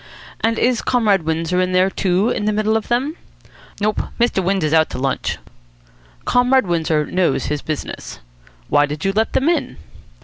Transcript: "And is Comrade Windsor in there, too, in the middle of them?" "Nope. Mr. Windsor's out to lunch." "Comrade Windsor knows his business. Why did you let them in?"